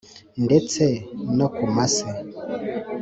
ndetse no ku Masse